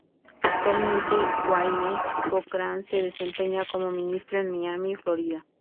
Actualmente, Wayne Cochran se desempeña como ministro en Miami, Florida.